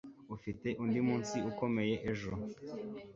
Ufite undi munsi ukomeye ejo